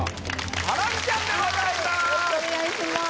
ハラミちゃんでございます。